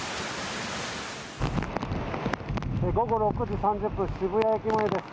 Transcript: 午後６時３０分渋谷駅前です。